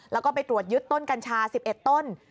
แล้วก็ไปตรวจยึดต้นกัญชา๑๑ต้น